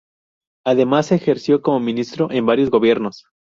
Además ejerció cómo ministro en varios gobiernos.